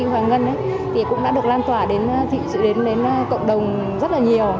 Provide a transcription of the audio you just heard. công ty hoàng ngân thì cũng đã được lan tỏa đến cộng đồng rất là nhiều